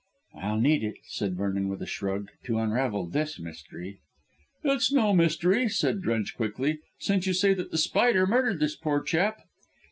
"I'll need it," said Vernon with a shrug, "to unravel this mystery." "It's no mystery," said Drench quickly, "since you say that The Spider murdered this poor chap."